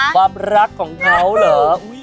ความรักของเขาเหรอ